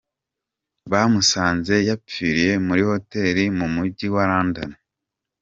Bamusanze yapfiriye muri hoteli mu Mujyi wa London.